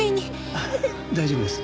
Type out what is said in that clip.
ああ大丈夫です。